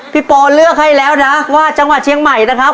โปเลือกให้แล้วนะว่าจังหวัดเชียงใหม่นะครับ